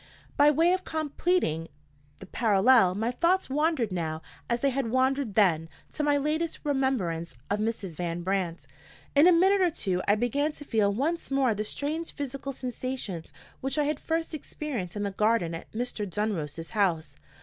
By way of completing the parallel, my thoughts wandered now, as they had wandered then, to my latest remembrance of Mrs. Van Brandt. In a minute or two I began to feel once more the strange physical sensations which I had first experienced in the garden at Mr. Dunross's house.